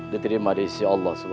diterima diisi allah swt